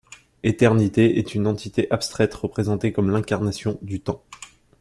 Éternité est une entité abstraite représentée comme l’incarnation du temps.